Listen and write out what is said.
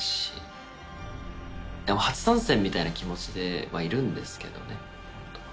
初参戦みたいな気持ちではいるんですけどね。